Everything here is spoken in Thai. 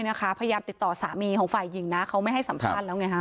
พยายามติดต่อสามีของฝ่ายหญิงเขาไม่ให้สัมพันธ์